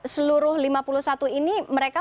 seluruh lima puluh satu ini mereka